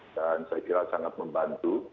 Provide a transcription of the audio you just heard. dan saya kira sangat membantu